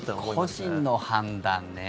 個人の判断ね。